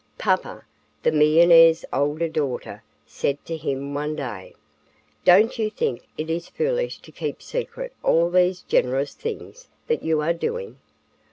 "Papa," the millionaire's older daughter said to him one day; "don't you think it is foolish to keep secret all these generous things that you are doing?"